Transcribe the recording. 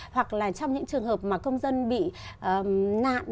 hoặc là trong những trường hợp mà công dân bị nạn